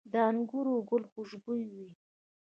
د انګورو ګل خوشبويه وي؟